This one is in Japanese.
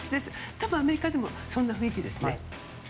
多分、アメリカでもそんな雰囲気ですね。